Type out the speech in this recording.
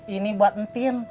ini buat entin